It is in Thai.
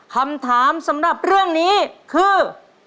คำถามสำหรับเรื่องนี้คือ